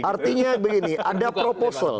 artinya begini ada proposal